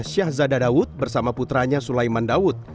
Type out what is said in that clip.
syahzada dawud bersama putranya sulaiman dawud